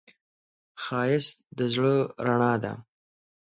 ښایست د زړه رڼا ده